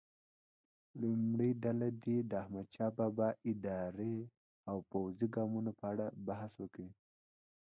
لومړۍ ډله دې د احمدشاه بابا اداري او پوځي ګامونو په اړه بحث وکړي.